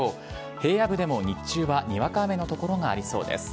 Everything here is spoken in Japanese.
平野部でも日中はにわか雨の所がありそうです。